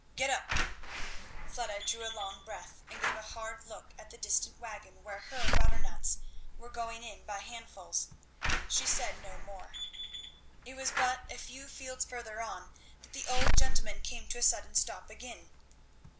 Get up!" Fleda drew a long breath, and gave a hard look at the distant wagon where her butternuts were going in by handfuls. She said no more. It was but a few fields further on that the old gentleman came to a sudden stop again.